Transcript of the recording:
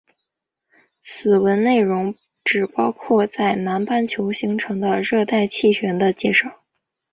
此文内容只包含在南半球形成的热带气旋的介绍。